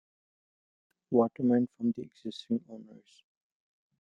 Waterman from the existing owners.